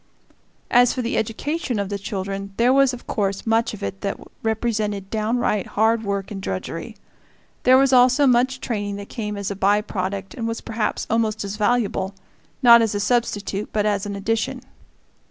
As for the education of the children, there was of course much of it that represented downright hard work and drudgery. There was also much training that came as a by product and was perhaps almost as valuable not as a substitute but as an addition.